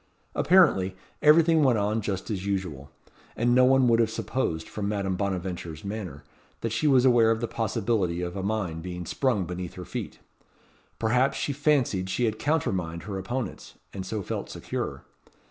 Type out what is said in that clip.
Apparently, everything went on just as usual, and no one would have supposed, from Madame Bonaventure's manner, that she was aware of the possibility of a mine being sprung beneath her feet. Perhaps she fancied she had countermined her opponents, and so felt secure.